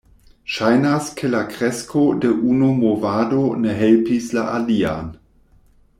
Ŝajnas ke la kresko de unu movado ne helpis la alian.